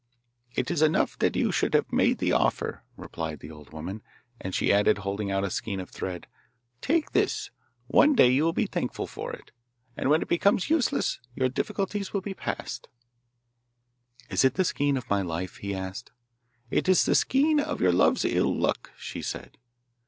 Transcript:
'It is enough that you should have made the offer,' replied the old woman; and she added, holding out a skein of thread, 'Take this; one day you will be thankful for it, and when it becomes useless your difficulties will be past.' 'Is it the skein of my life?' he asked. 'It is the skein of your love's ill luck,' she said.